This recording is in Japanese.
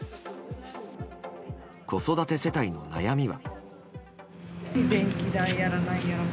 子育て世帯の悩みは。